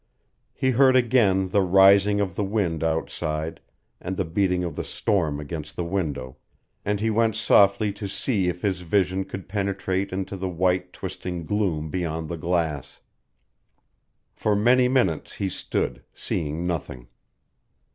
He heard again the rising of the wind outside and the beating of the storm against the window, and he went softly to see if his vision could penetrate into the white, twisting gloom beyond the glass. For many minutes he stood, seeing nothing.